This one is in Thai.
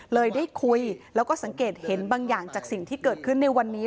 เลยได้คุยแล้วก็สังเกตเห็นบางอย่างจากสิ่งที่เกิดขึ้นในวันนี้